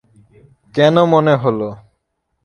কেন মনে হল?